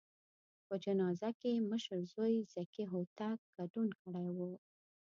په جنازه کې یې مشر زوی ذکي هوتک ګډون کړی و.